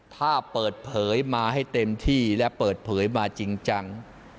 ถ้าเปิดเผยมาให้เต็มที่และเปิดเผยมาจริงจัง